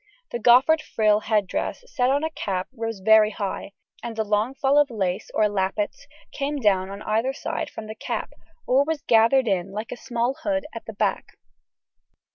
A goffered frill head dress, set on a cap, rose very high, and a long fall of lace, or lappets, came down on either side from the cap, or was gathered in like a small hood at the back.